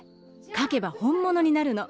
かけば本ものになるの。